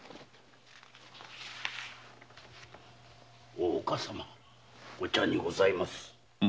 大岡様お茶でございます。